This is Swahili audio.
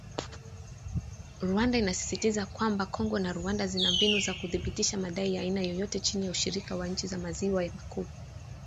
Rwanda inasisitiza kwamba Kongo na Rwanda zina mbinu za kuthibitisha madai ya aina yoyote chini ya ushirika wa nchi za maziwa makuu.